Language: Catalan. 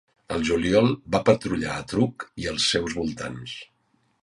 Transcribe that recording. Al juliol, va patrullar a Truk i els seus voltants.